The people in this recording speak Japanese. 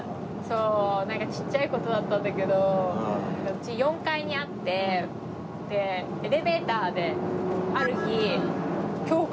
ちっちゃい事だったんだけどうち４階にあってエレベーターである日。